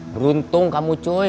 beruntung kamu cuy